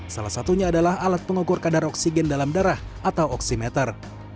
salah satunya adalah alat pengukur kadar oksigen dalam darah atau oksimeter